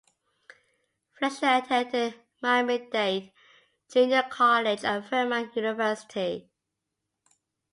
Fleisher attended Miami-Dade Junior College and Furman University.